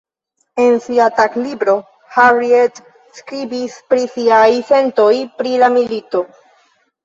En sia taglibro Harriet skribis pri siaj sentoj pri la milito.